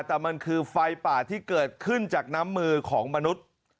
แต่มันคือไฟป่าที่เกิดขึ้นจากน้ำมือของมนุษย์